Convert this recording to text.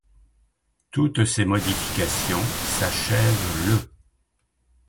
Toutes ces modifications s'achèvent le .